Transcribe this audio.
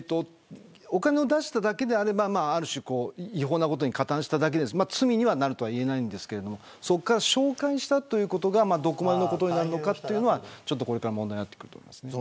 お金を出しただけであれば違法なことに加担しただけで罪になるとはいえないんですがそこから紹介したということがどこまでのことになるのかこれから問題になってくると思います。